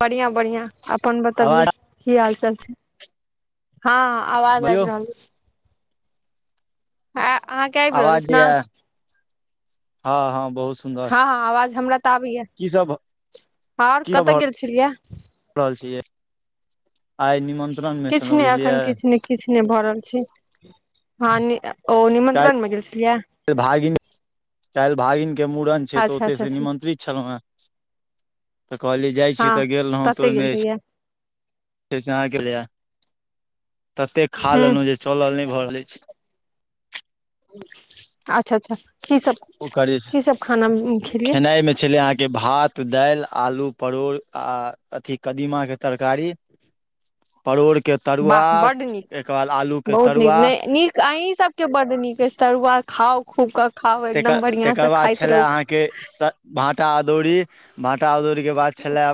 बढ़िआँ बढ़िआँ अपन बतबियौ आवाज की हालचाल छै हँ आवाज आबि बौ रहल अछि आ अहाँके आबि रहल आवाज अछि ने य हँ हँ बहुत सुन्दर हँ हँ आवाज हमरा तऽ आबैए की सब आओर की सब कतय भऽ गेल छलियै रहल छै आइ निमंत्रण मे किछु छलहुँ नहि एखन बुझलियै किछु ने किछु नहि भऽ रहल छै हँ ओ निमन्त्रमे गेल छलियै काल्हि भागिन काल्हि भागिनके मूड़न छै तऽ अच्छा अच्छा ओतयसँ अच्छा निमन्त्रित छलहुँ हेँ तऽ कहलियै जाइ छियै हँ तऽ गेल रहौं तऽ तते गेल ओहिमे छै छलियै से छै अहाँके लि ततेक खा हूँ लेलहुँ जे चलल नहि भऽ रहल अछि अच्छा अच्छा की सब ओकर की सब खाना जे खेलियै खेनाइ मे छलै अहाँके भात दालि आलू परोड़ आ अथी कदीमा के तरकारी परोड़ के तरुआ वाह बड नीक एकर बाद आलू के बहुत नीक तरुआ ने नीक अहीं सबके बड्ड नीक अछि तरुआ खाउ खूब कऽ खाउ त एकदम बढ़िआं से तकर बाद खाइत छले रहू अहाँके भाटा अदौरी भाटा अदौरी जे बात छलाह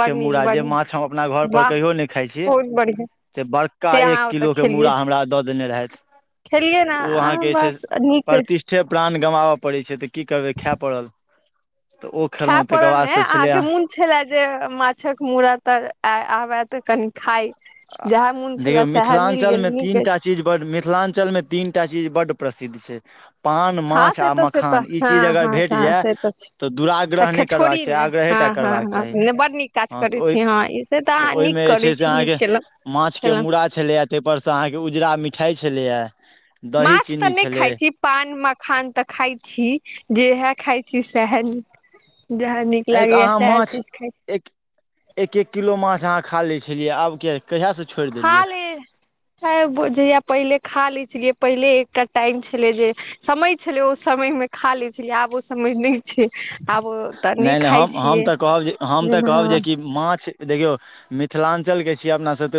बड नीक मुरा बड जे नीक माछ हम अपना घर पर वाह कहियो नहि खाइ छी बहुत बढ़िआँ से बड़का से एक अहाँ ओतऽ किलोके खेलियै मूड़ा हमरा दऽ देने रहथि खेलियै ने ओ अहाँके जे बस छै नीक प्रतिष्ठे प्राण गम आबय पड़ै छै तऽ की करबै खाय पड़ल तऽ ओ खायए खेलहुँ तकर पड़ल ने बादसँ छलै अहाँके मोन छलए जे माछक मूड़ त आबएत कनि खााय ज देखियौ मिथिलाञ्चल मे तीन टा चीज ब मिथिलाञ्चल मे तीनटा चीज बड प्रसिद्ध छै पान हँ माछ से आ तऽ से तऽ मखान ई हँ चीज अगर हँ भेट हँ जाय से छै तऽ दुराग्रह तऽ नहि करबाक छोड़ी चाही ने आग्रह हँ तें हँ करबाक हँ चाहि नहि बड नीक काज हाँ करै छी हँ ई से तऽ ओहिऽ अहाँ नीक ओहिमे जे करै छै से छी नीक अहाँके केलहुँ माछ के खेलहुँ मूड़ा छेलैये ताहिपर सँ अहाँ के उजरा मिठाई छेलैये माछ तऽ नहि खाइ छी पान मखान तऽ खाय छी जेहे खाइ छी सेहे नीक आंय तऽ लागैया अहाँ सएह माछ चीज खाइ छी एक एक एक किलो माछ अहाँ खा लै छलियै आब किये खा ले जब जहिया पहिले खा लै छेलियै पहिले एकटा टाइम छेलै जे समय छेलै ओ समयमे खा लै छेलियै आब समय नहि छै आब तऽ नहि नहि खाइ हमऽ हम छियै तऽ कहब हम तऽ जेना कहब जे कि माछ देखियौ मिथिलांचल के छियै अपना सब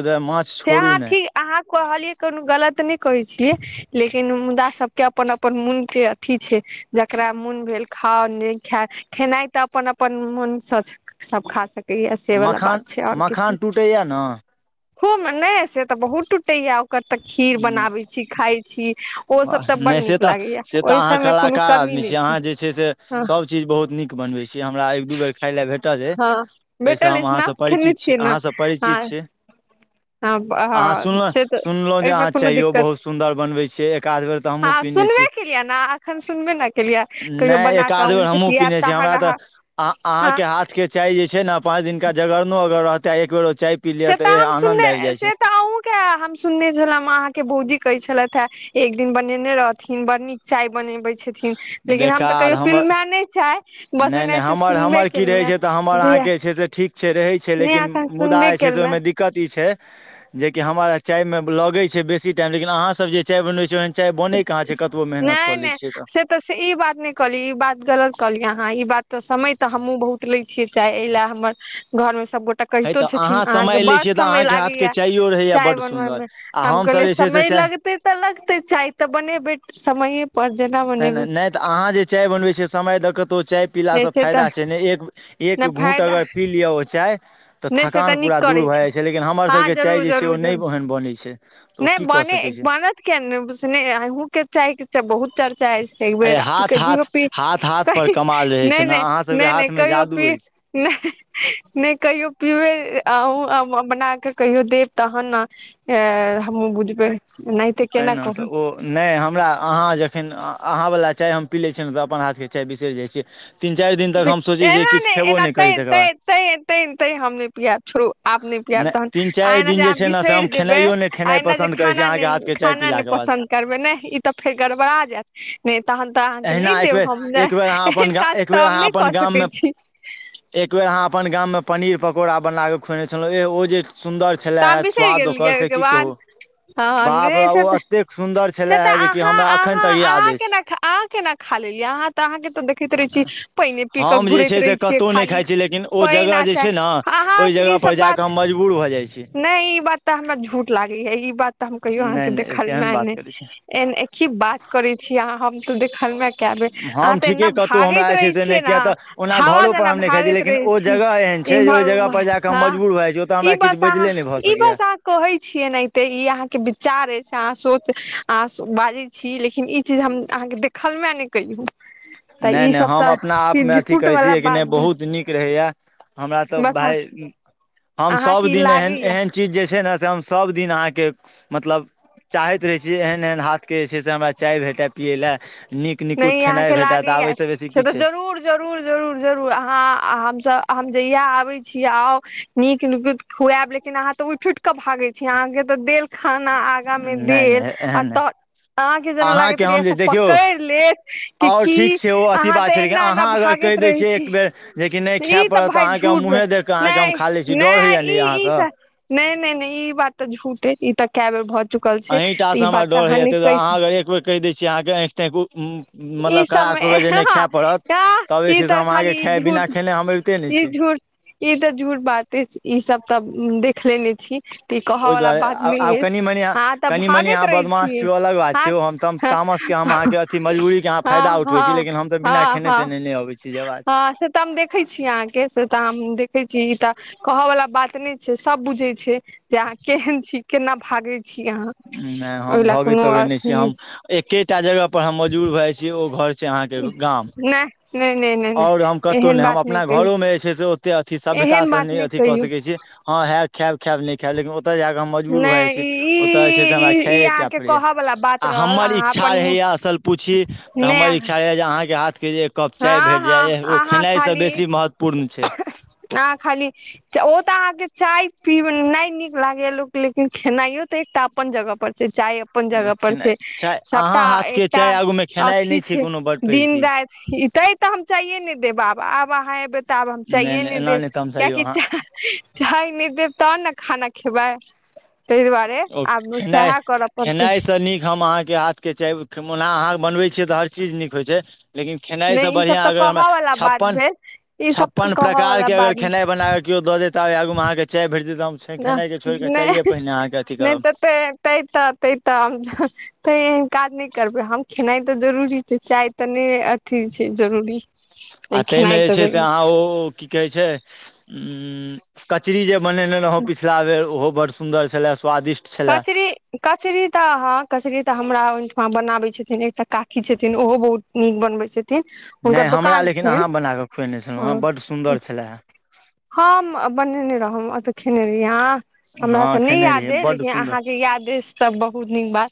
से अहाँ ठीक अहाँ कहलियै कोनो गलत नहि कहै छियै लेकिन मुदा सब के अपन अपन मन के अथी छै जेकरा मन भेल खाउ नहि खाय खेनाइ तऽ अपन अपन मन सँ सब खा सकै से वाला मखान बात छै आओर किछु मखान टूटैए ने नहि हम नहि से तऽ बहुत टूटेया आब ओकर तऽ खीर बनाबै छी खाय छी ओ सब तऽ बड्ड नहि से नीक तऽ लागे या से तऽ ओहि अहाँ सब मे कोनो कलाकार कम अहाँ जे छै से सब चीज बहुत नीक बनबै छी हमरा एक दू बेर खाय ले भेट ल ऐ हँ ताहिसँ भेटल हम अछि अहाँ ने सब खेने परिचित छी छियै ने अहाँ सँ हँ परिचित छीयै हँ अहाँ हँ सुनलौं से तऽ सुनलौं जे एहिमे अहाँ कोनो चाइयो दिक्कत बहुत सुन्दर बनवैय छी एकाध बेर तऽ हमहूं हँ पीने सुनबे छी केलियै ने एखन सुनबे ने केलियै कहियो नहि बना कऽ एकाध बेर अहूँके हमहुँ पियाब पीनै छी तहन हमरा तऽ अहाँ अहाँ हँ के हाथ के चाय जे छै ने पाँच दिनका जगरनो अगर रहतै एक बेर ओ चाय पी लिअ से तऽ हम आनंद आबि सुनने जाइ छै से तऽ अहुँके हम सुनने छलहुँ अहाँके बौजी कहै छलथि हे एक दिन बनेने रहथिन बड़ नीक चाय बनेबे छै लेकिन हम तऽ बेकार कहियो पिलूं हमर ए नहि चाय बस नहि नहि एनाहिते हमर सुनबे हमर की केलहुँ रहैत हे छै तऽ हमर बुझलियै अहाँकेँ छै से ठीक छै रहैत छै नहि लेकिन एखन मुदा सुनबे जे छै से केलहुँ हे ओहिमे दिक्कत ई जे हम चायमे लगै छै बेसी टाइम लेकिन अहाँ सब जे चाय बनबइ छियै बोनेै कहाँ छै कतबो मेहनत कऽ नहि लै नहि छियै से तऽ से ई बात नहि कहली ई बात गलत कहली अहाँ ई बात तऽ समय तऽ हमहुँ बहुत लै छियै चाहे एहि लए हमर घरमे सब गोटा हे कहितो तऽ छथिन अहाँ आंहाँ के समय लै बड्ड छियै तऽ समय अहाँके लागैए हाथके ये चाइयो रहैए चाय बड्ड सुन्दर बनबमे आ हमसभ जे छै से समय चाय लगते तऽ लगते चाय तऽ बनेबै समय त नहि तऽ अहाँ जे चाय बनबै समय दऽ कऽ तऽ ओ चाय नहि पीलासँ से तऽ फायदा छै ने एक एक नहि घूंट फायदा अगर पी लिय ओ चाय तऽ नहि से तऽ थकान नीक पूरा दूर करै भए छी जाइ छै लेकिन हमर हँ सबके चाय जरूर जे छै ओ जरूर नहि जरूर ओहन बनै छै तऽ ओ नहि की कर बनत किये नै अहूँ के चाय के बहुत चर्चा अछि एक अरे बेरी हाथ क जी हाथ पी हाथ क हाथ पर कमाल रहै छै नहि ने नहि अहाँ सबके नहि नहि हाथ मे कहियो जादू पी अछि नहि नहि कहियो पी पिबै अ बनाके कहियो देब तहन ने हमहुँ बुझबै एनाहिते तेँ केना ने कहू तऽ ओ नहि हमरा अहाँ जखन अहाँ वला चाय हम पी लै छियै ने तऽ अपन हाथके चाय बिसरि जाइ छियै तीन चारि दिन तक हम सोचै छियै एना किछु खेबो नहिना नहि करी तैं तकर बाद तैं तैं तैं तैंन हम नहि पियेब छोरू आब आब नहि तहन तीन आ चारि एना दिन जे छै ने से बिसरि हम जेबै खेनाइयो नहि आ खेनाइ एना जे पसन्द करैत छी खाना अहाँके हाथके चाय खाना नहि पीलाके बाद पसन्द करबै नहि ई तऽ फेर गड़बड़ा जायत नहि तहन तऽ अहाँके अहिना नहि देब हम एकबेर एकबेर अहाँ अपन एहन गा काज एक एक तऽ बेर हम अहाँ नहि अपन कऽ गाम मे सकैत छी एक बेर अहाँ अपन गाममे पनीर पकौड़ा बनाकऽ खुएने छलहुँ एह ओ जे सुन्दर तऽ छले अहाँ हे बिसरि स्वाद ओकर गेलियै से ओहिके की बाद कहू हँ बाप रे नहि बाप से ओ तऽ एतेक सुन्दर से छलए हे तऽ जेकि अहाँ हमरा एखन अहाँ तक याद अहाँ अछि केना अहाँ केना खा लेलियै अहाँ तऽ अहाँ के ते देखैत रहे छी पाइने पी के हम जे घुरैत छै से रहे छियै कतहु नहि खाली खाइ छी लेकिन ओ जगह न जे छै ने हाँ ओहि जगह ई सब पर जा बात कऽ हम मजबूर भऽ जाइ छी नहि ई बात तऽ हमरा झूठ लागैए ई बात तऽ हम कहियो अहाँके नहि नहि देखल केहन मे बात ने करै छी एन एक ही बात करे छीय अहाँ हम तो देखल मे कए बेर अहाँ हम तऽ एना ठीके कतहु हमरा भागैत जे छै रहे से नहि छियै ने किएक तऽ ओना हवा घरोपर जेना हम नहि खाइ छी भागैत लेकिन रहै ओ छियै जगह एहन छै जे ओहि इमहर जगहपर उमहर जा कऽ हम हँ मजबूर भऽ जाइ छी ओतऽ हमरा ई किछु बस ई बस बजले नहि भऽ सकैए अहाँ कहै छियै नेते ई अहाँके विचार अछि अह सोच अह बाजै छी लेकिन ई चीज हम अहाँके देखलु ऐ नहि कहियो नहि नहि हम अपना आपमे अथी झूठ करै छी वाला लेक बात नहि भेल बहुत नीक रहैए हमरा तऽ बस भाय हम सब अहाँके ई दिन ए लागैया एहन चीज जे जे छै न से हम सब दिन अहा के मतलब चाहैत रहै छीयै एहन एहन हाथ के जे छै से हमरा चाय भेटय पियै लए नीक निकुत नहि खेनाइ अहाँके भेटय तऽ आब लागैया एहिसँ बेसी से की तऽ छै जरूर जरूर जरूर जरूर अहाँ हमस हम जहिया आबे छी आउ नीक नुत खुआब लेकिन आहा ते उठ उठ के भागे छी अहाँ के ते देेल खाना आगा मे नहि देल नहि आ एहन नहि तऽ अहाँ के जेना लागैत अहाँके र हम जे सब देखियौ पकड़ लेत कि आओर की ठीक छै ओ अथी अहाँ बात तऽ छै लेकिन एना एना अहाँ अगर कहि भागैत दै रहै छियै छी एक बेर जेकि नहि खाय ई त पड़त तऽ भइ अहाँके हम झूठ मुँहे देख कऽ अहाँके हम नहि खा लै छी डर होइया नहि ने ई ई अहाँसँ नहि नहि नहि ई बात तऽ झूठ ई तऽ कैय बैर अहीँटाासँ हमरा डर होइए ता दुआर अहाँ अगर एक बेर कहि दै छीयै अहाँँ आँखि ताँँखि ई मतलब कड़ा सबमे क जे नहि हँ खायए पड़त तब जे ई छै से तऽ हम अहाँके खाली ई खा बिना झूठ खेनाइ हम अबिते नहि ई छी झूठ ई तऽ जूठ बात अछि ई सब तऽ देखलेने छी तऽ ई कहऽ ओहि वाला दुआरे बात नहि आब अछि कनि मनि अहाँ तऽ कनि मनि भागैत अहाँ रहै बदमाश छियै अलग बात छै ओ हम तऽ हँ तामस हम अहाँके अथी मजबूरी के फायदा हँ उठबै छी हँ लेकिन हम तऽ बिना हँ खेने हँ तेने नहि अबै छी जे बात हँ से तऽ हम देखै छी अहाँके से तऽ हम देखै छी तऽ कहऽ वालला बात नहि छै सब बुझै छै जे अहाँ केहन छी केना भागे छी अहाँ नहि हम ओहि लए भगैत कोनो तबे नहि छी अथी हम छै एकेटा जगह पर हम मजबूर भऽ जाइ छी ओ जे अहाँ के गाम नहि नहि नहि नहि नहि आऔर कतो एहन नए हम बात नहि अपना कहियौ घरो मे जे छय से एत अथि सभ्यता एहन से बात नहि अथी क कहियौ सकै छी ह खायब खायब नहि खायब लेकिन ओतय जााक मजबूर भए नहि जाइ छै ई ओतय जे छै से हमरा ई ई खे अहाँके पड़ैया कहऽ वला बात आ रहल हमर अहाँ इच्छा अपन मुँह रहेया असल पूछि तऽ नहि हमर इच्छा यऽ जे अहाँके हाथ के हँ हँ आहाँ खाली बेसी महत्वपूर्ण छै आ खाली ओ तऽ अहाँ के चाय पी न नीक लागे या लो लेकिन खेनाइयो ते एकटा अपन जगह पर छै चाय अपन अरे जगह पर खेनाइ छै चाय अहाँ सबटा हाथके एकटा चाय आगूमे खेनाइ अथी नहि छै कोनो बड पैघ दिन चीज राति तै तऽ हम चाइये ने देब आब आब अहाँ एबै तऽ आब हम चाइये नहि देब कियकि चाय चाय ने दे तबन ने खाना खेबै ताहि दुआरे ओ आब खेनाइ सएह करऽ पड़तै खेनाइसँ नीक हम अहाँके हाथके खेमौना अहाँके बनबै छियै तऽ हर चीज नीक होइ छै लेकिन खेनाइसँ नहि ई सब बढ़िआँ तऽ अगर हमरा कहऽ वाला बात छप्पन भेल ई सब छप्पन कहऽ वाला प्रकारके अगर बात खेनाइ बना कऽ केओ दऽ देता आ आगूमे अहाँकेँ चाय भेट देत हम खेनाइ के छोड़ केऽ नहि चाये पहिने अथी करब नहि तऽ तऽ तऽ तऽ काज करबै हम खेनाइ तऽ जरूरी छै चाय तऽ नहि अथी छै जरूरी आ त खेनाइ तऽ जरूरी मनेने रहौं पिछिला बेर ओहो बड़ सुन्दर छले कचरी कचेरी तऽहाँ कचरीी ते हमरा ओहिठमा बनाबे छथिन एकटा कााकी छथिन ओहो बहुत नीक बनबे छथि हुनकर नहि हमरा दोकान लेकिन छै अहाँ बना कऽ खुएने छलहुँ हेँ बड्ड सुन्दर छलए हम बनेने रहौ त खेने रहि यहाँ हमरा हँ तऽ नहि खेने याद रहियै अ बड्ड सुन्दर अहाँके याद अछि त बहुत नीक बात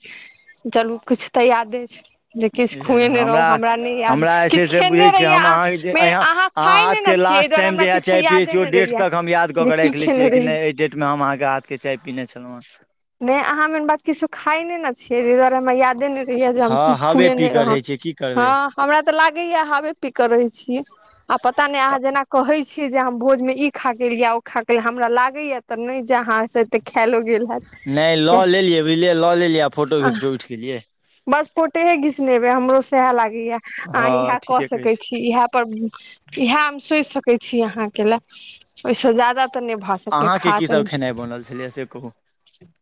चलू किछ तऽ याद अछि छै जे किछु खुएने रहौ हमरा नहि याद हमरा जे छै किछु से बुझै खेने छिय रहियै हम अहाँ मे अहाँ अहाँह खाइ नहि ने आ छियै एहि लास्ट दुआरे टाइम हमरा जहिया किछो चाय पिययै यादे छी ओ नहि डेट रहैया तक हम याद जे कऽ की राखि लै खेने छियै कि रहियै नहि एहि डेटमे हम अहके हत के चाय पिने छलहुँ हँ नहि अहाँ मेन बात किछु खाइ ने ने छियै तहि दुआरे हमरा यादे ने जे हम क हँ हबे खुएने पी कऽ रहौ रहै छियै की हँ करबै हमरा तऽ लागैया हवे पी के रहै छीय आ पता नहि अहाँ जेना कहै छी जे हम भोज में इ खा के या ओ खा के हमरा लागे या ते न जे अहा सेे खायलो गेल हेतै नहि लऽ लेलियै बुझलियै लऽ लेलियै आ फोटो घीच क उठि गेलियै बस फोटे हे घीसनेबे हमरो सह लागे अहाँ इएह हँ कऽ ठीके कहै सकै छी इहा पर इहा सोच सकै छी अहाँके लए ओहिसँ ज्यादा त नहि भा सक अहाँके खा की त सब खेनाइ बनल छलैए से कहू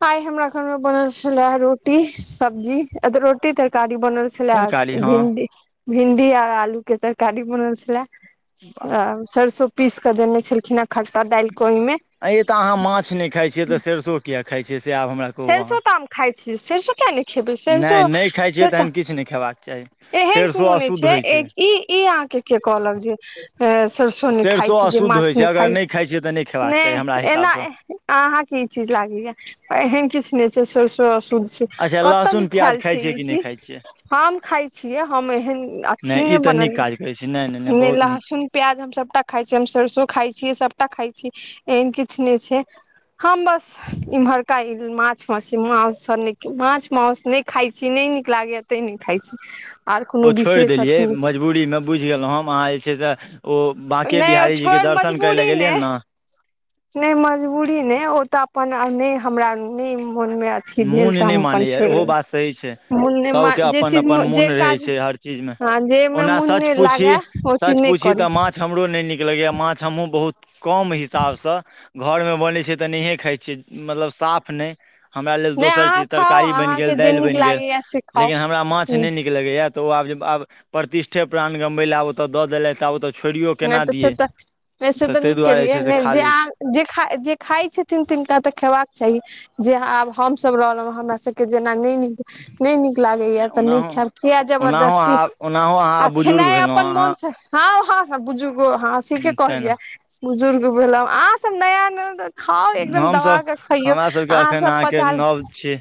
आइ हमरा घर मे बनल ल रोटी सब्जी रोटी तरकारी बनल छलै तरकारी हँ भिन्डी भिन्डी आ आलू के तरकारी बनल छलै आ सरसो पीस कऽ देने छलखिन खट्टा डालि कऽ ओहिमे आ तऽ अहाँ माछ नहि खाइ छियै तऽ सरसो किया खाइ छी सरिसो तऽ आ हम खाइ छी सरसो किया नहि खेबै सरिसो नहि नहि खाइ छियै से त तहन किछु नहि खेबाक चाही एहन सरिसो कोनो नहि अशुद्ध छै होइ ई ई अहाँके के कहलक जे सरिसो नहि खाइ सरिसो छै जे अशुद्ध मांछ होइ नहि अगर खाय छै खाइ छियै तऽ खेबाक चाही नहि हमरा एना हिसाबसँ अहाँके ई चीज लागलया एहन किछु स कायल छी अच्छा कता लहसुन प्याज लिखाएल खाइ छै छियै ई कि नहि चीज खाइ छियै हम ख छियै हम एहन अथी नहि ई तऽ नीक बनलै काज करै छी नहि बहुत नीक लहसुन प्याज हम सबटा खाई छी हम सरसो खााय छी सबटा खा छी एन किछ नहि छै हम बस इहरा का माछ मछी मास सब नीक माछ मासस नहि खाय छी नहि नीक लागैया तय नहि खाइ छी आर कोनो ओ छोड़ि विशेष देलियै अथी नहि छै। मजबूरीमे बुझि गेलहुँ हम अहाँ जे छै से ओ बाँके नहि ओ बिहारी ज छोड़ दर्शन करै लए मजबूरी गेलियनि ने नहि मजबूरी नहि ओ तऽ अपन नहि हमरा नहि मन मे अथी भेल मोन तऽ नहि हम अपन मानैए छो ओहो बात सही छै सभके मन जे अपन चीज अपन जे मोन रहै काज छै हर चीजमे ह जेमे ओना मन सच नहि पूछी लागे ओ चीज नहि करी लगेया माछ हमहुँ बहुत कम हिसाबसँ घरमे बनै छै तऽ नहिए खाइ छियै मतलब साफ नहि हमरा लेल नहि दोसर अहाँ चीज खाउ तरकारी बनि अहाँके गेल जे दालि नीक बनि गेल लागैया से खाउ लेकिन हमरा माछ ह नहि नीक लगैय त आब आब प्रतिठे प्राण गमब ल आबत द देले आब छोड़ियो नहि केना तऽ से दियै तऽ नहि से तऽ ताहि नीक दुआरे जे केलियै छै से ने खा लै छी जे खाइ छथिन तिनका तऽ खेबाक चाही जे आब हम सब रहलहु हमरा सबके त नै नीक नै नीक लाग्यय नहि ओनाहो तऽ ओनाहो जरदस्ती अहाँ ओनाहो आ अहाँ बुजुर्ग खेनाइ भेलहुँ अपन अहाँ मनसँ हँ हँ बुजुर्ग हँसी के कहलियै तेना बुजुर्ग भेल आह सब नया खाउ एकदम दबा हमसभ क खइयौ हमरा सभके अहाँ एखन सब अहाँके पचा नव छी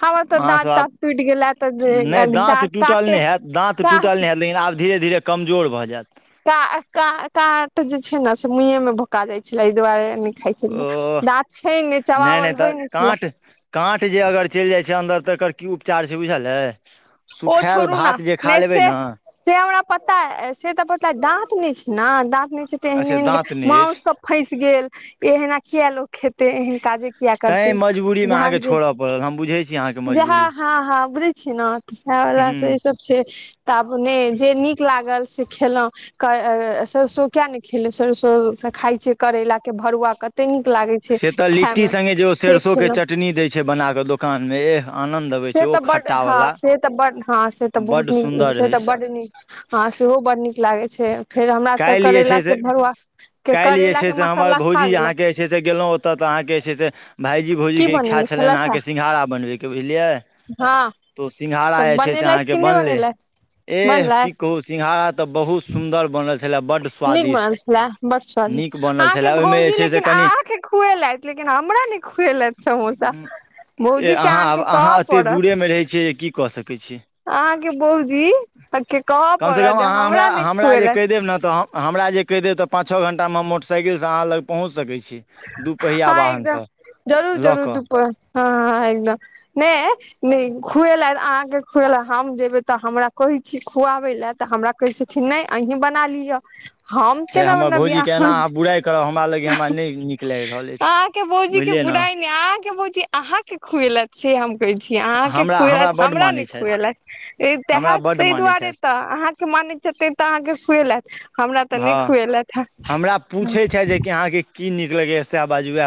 हमर तऽ दाँत अहाँसभ आब ताँत टूटि गेला तऽ नहि दाँत टूटल काटे नहि हैत दाँत टूटल नहि काट हैत लेकिन आब धीरे धीरे कमजोर भऽ जायत त का का काट जे छै ने से मुहें मे भोका जाइ छै छै एहि दुआरे नहि खाइ छल ओ गाछ छै ने नहि नहि चावल तऽ होइ ने छल काँट काँट जे अगर चलि जाइ छै अन्दर तऽ एकर की उपचार छै बुझलै ओ छोड़ू ने नहि ने से हमरा पता से तऽ पता दाँत नहि छै ने दाँत छै एहन अच्छा एहन दाँत नहि मास अछि सब फस गेल एहना किया लोको खेते एहन काजे किया तैँ करतै मजबूरीमे जह अहाँके जी छोड़य पड़ल हम बुझै छी अहाँके जाँ मजबूरी हँ हँ बुझै छीय ने साएह वला से हूँ ई सब छै तऽ अपने जे नीक लागल से खेलो सरसो किया ने खेले सरसो से खााय छी करेला के भरुआ कते न से तऽ लिट्टी सङ्गे जे ओ सरसो के खेलहुँ चटनी दै छै बना कऽ दोकान मे एह आनन्द अबै से छै ओ तऽ बड हँ खट्टावला से त बड हां से तऽ बहुत बड्ड नीक सुन्दर से रहै तऽ छै बड नीक ह सेहो बड नीक लागे छै फेर हमरा तऽ काल्हि जे करैला छै के से भरुआ के काल्हि जे करैला छै के से हमर मसाला खा भौजी गेलहुँ अहाँके जे छै से गेलहुँ ओतय तऽ अहाँके जे छै से भाइजी जी की भौजीके इक्छा बनेने छलथि हे छैलई सिंघारा बनबैके बुझलियै हँ तऽ सिंघाड़ा तऽ जे छै से बनेलथि अहाँके कि नहि बनलै बनेलथि एह की बनलथि कहु सिंघारा ते बहुत सुंदर बनल छै नीक बनल छैला बर नीक स्वादिष्ट बनल अहाँके छलए ओहिमे जे भौजी छै से लेकिन कनि अहाँके खुएल लेकिन लेकिन हमरा ने खुएलत समोसा भोजी के अहाँ अहाँके कहऽ अहाँ एतेक पड़त दूरेमे रहै छियै जे की कऽ सकैत छी अहाँके भोजी के कहऽ कमसँ कम पड़त अहाँ हमरा नहि जे कहि देब ने खुएलथि तऽ हमरा जे कहि दे तऽ पांचो घंटा मे मोटरसाइकिल से अहाँ लग पहुँच सक छी दूपहिया हँ एकदम वाहनसँ जरूर लऽ जरूर कऽ दुूपर हँ एकदम नहि खुएला अहाँ के खुएल हम जेबे त हमरा कहे छी खुआबे ले ते हमरा कहे छैन न अहीं बना ली हम हे हमर केनाऔने भौजीके बियाह एना अहाँ बुराइ करब हमरा लग हमरा नहि नीक लागि रहल अछि अहाँ के भौजी के बुझलियै ने बुराइ नहि अहा के भौजी अहाँ के खुएलत से हम अहाँ के हमरा खुलत बड्ड हमरा मानै छथि खुल हमरा बड्ड ताहि मानै दुआरे छथि त अह तऽ अहाँके खुएलत हमरा तऽ नहि हँ खुएलत हमरा ह पूछै छथि जेकि अहाँके की नीक लगेया से बाजु